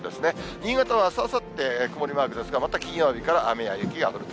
新潟はあす、あさって、曇りマークですが、また金曜日から雨や雪が降ると。